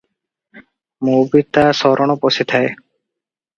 ମୁଁ ବି ତା ଶରଣ ପଶିଥାଏଁ ।